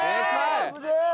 すげえ！